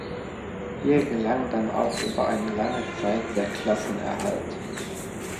Hier gelang dann auch über eine lange Zeit der Klassenerhalt.